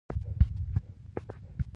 مننه کول.